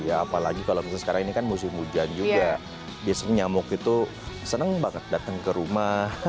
apalagi kalau misalnya sekarang ini kan musim hujan juga biasanya nyamuk itu senang banget datang ke rumah